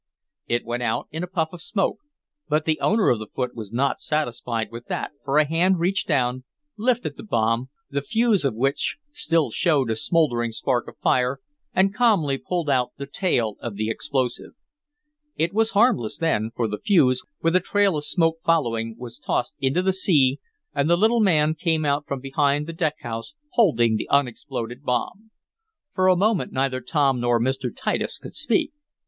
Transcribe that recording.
It went out in a puff of smoke, but the owner of the foot was not satisfied with that for a hand reached down, lifted the bomb, the fuse of which still showed a smouldering spark of fire, and calmly pulled out the "tail" of the explosive. It was harmless then, for the fuse, with a trail of smoke following, was tossed into the sea, and the little man came out from behind the deck house, holding the unexploded bomb. For a moment neither Tom nor Mr. Titus could speak.